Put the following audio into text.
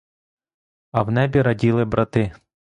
А в небі раділи брати.